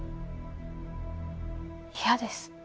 嫌です。